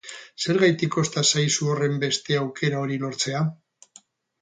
Zergaitik kosta zaizu horrenbeste aukera hori lortzea?